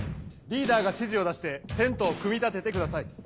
リーダーが指示を出してテントを組み立ててください。